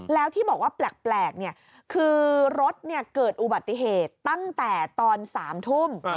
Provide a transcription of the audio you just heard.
แล้วที่บอกว่าแปลกคือรถเกิดอุบัติเหตุตั้งแต่ตอน๓ทุ่ม